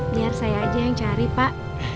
biar saya aja yang cari pak